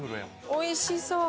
おいしそう！